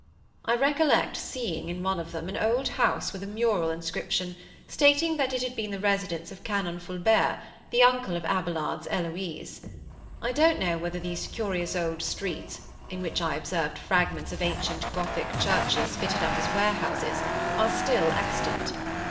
I recollect seeing, in one of them, an old house with a mural inscription stating that it had been the residence of Canon Fulbert, the uncle of Abelard's Eloise. I don't know whether these curious old streets, in which I observed fragments of ancient Gothic churches fitted up as warehouses, are still extant.